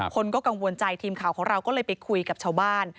คนก็กังวลใจทีมข่าวของเราก็เลยไปคุยกับชาวบ้าน